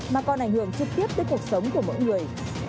mà còn ảnh hưởng trực tiếp tới cuộc sống của mỗi người